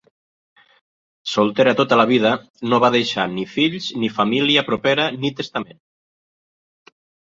Solter tota la seva vida, no va deixar ni fills ni família propera ni testament.